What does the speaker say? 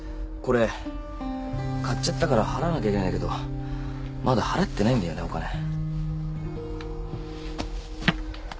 これ買っちゃったから払わなきゃいけないんだけどまだ払ってないんだよねお金。